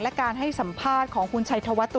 และการให้สัมภาษณ์ของคุณไฉดธวทศตุรถร